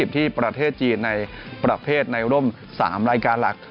ที่ประเทศจีนในประเภทในร่ม๓รายการหลัก